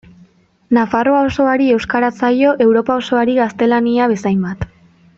Nafarroa osoari euskara zaio Europa osoari gaztelania bezainbat.